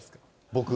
僕？